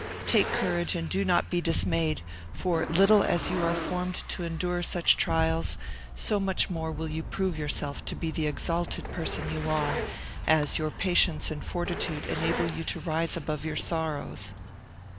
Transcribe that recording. Take courage, and do not be dismayed; for little as you are formed to endure such trials, so much the more will you prove yourself to be the exalted person you are, as your patience and fortitude enable you to rise above your sorrows.